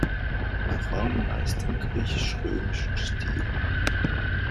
Er rang meist im griechisch-römischen Stil.